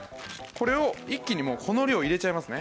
これを一気にこの量入れちゃいますね。